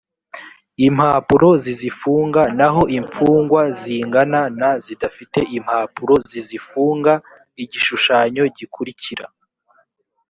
impapuro zizifunga naho imfungwa zingana na zidafite impapuro zizifunga igishushanyo gikurikira